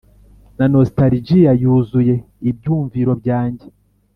na nostalgia yuzuye ibyumviro byanjye.